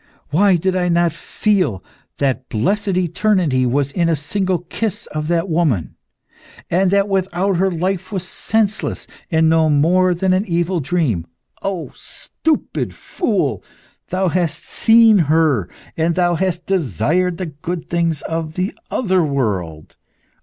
Why did I not feel that blessed eternity was in a single kiss of that woman, and that without her life was senseless, and no more than an evil dream? Oh, stupid fool! thou hast seen her, and thou hast desired the good things of the other world!